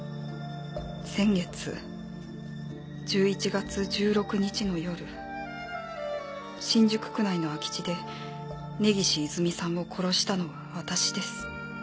「先月１１月１６日の夜新宿区内の空地で根岸いずみさんを殺したのは私です」